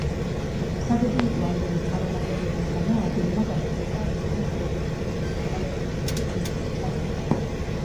სადებიუტო ალბომის წარუმატებლობის გამო ადელმა გადაწყვიტა უფრო რიტმული და თანამედროვე ტიპის დისკის ჩაწერა.